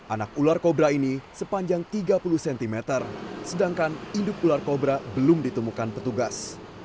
anak ular kobra ini sepanjang tiga puluh cm sedangkan induk ular kobra belum ditemukan petugas